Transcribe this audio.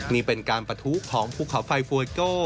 นี่เป็นการปะทุของภูเขาไฟฟวยโก้